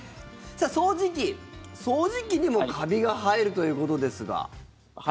掃除機にもカビが生えるということですが。